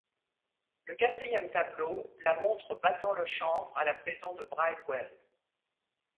Le quatrième tableau la montre battant le chanvre à la prison de Bridewell.